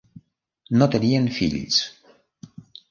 No tenien fills.